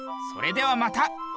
それではまた。